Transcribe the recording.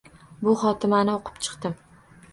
Bu xotimani o’qib chiqdim.